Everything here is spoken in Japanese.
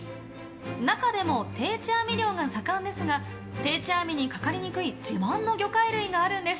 中でも、定置網漁が盛んですが定置網にかかりにくい自慢の魚介類があるんです。